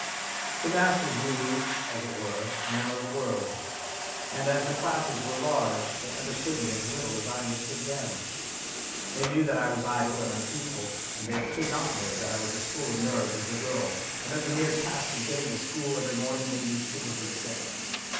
The masters moved as it were in another world, and, as the classes were large, they understood me as little as I understood them. 24 A DRAMA OF YOUTH They knew that I was idle and untruthful, and they could not know that I was as full of nerves as a girl, and that the mere task of getting to school every morning made me physically sick.